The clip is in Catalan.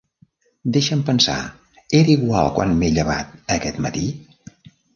Deixa'm pensar: era igual quan m'he llevat aquest matí?